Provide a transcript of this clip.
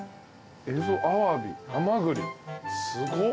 エゾアワビハマグリすごっ。